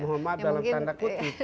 hormat dalam tanda kutip